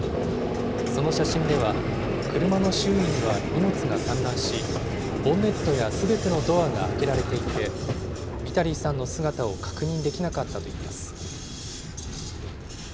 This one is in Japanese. その写真では、車の周囲には荷物が散乱し、ボンネットやすべてのドアが開けられていて、ビタリーさんの姿を確認できなかったといいます。